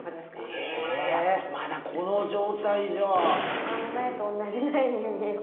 他の苗と同じ苗に見えます。